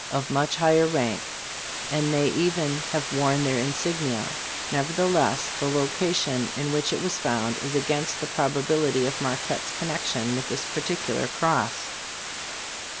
83 of much higher rank, and may even have worn their insignia, nevertheless the location in which it was found is against the probability of Marquette's connection with this particular cross.